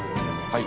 はい。